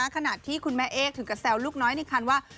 ขณะที่คุณแม่เอกถึงกระแซวลูกน้อยในคันว่า